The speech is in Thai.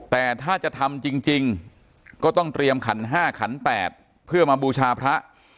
แต่ถ้าจะทำจริงก็ต้องเตรียมขัน๕ขัน๘เพื่อมาบูชาพระ